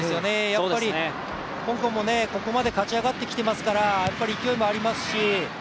やっぱり香港もここまで勝ち上がってきていますから勢いもありますし。